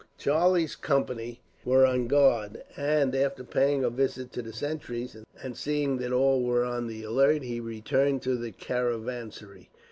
Charlie's company were on guard, and after paying a visit to the sentries, and seeing that all were on the alert, he returned to the caravansary.